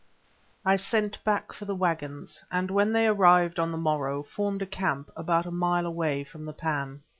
I sent back for the waggons, and when they arrived on the morrow, formed a camp, about a mile away from the pan.